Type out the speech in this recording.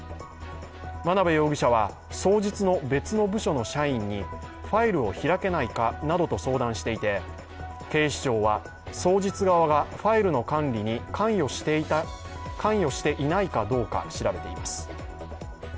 真鍋容疑者は双日の別の部署の社員にファイルを開けないかなどと相談していて警視庁は双日側がファイルの管理に関与していないかどうか調べています。